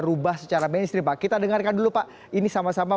berubah secara mainstream pak kita dengarkan dulu pak ini sama sama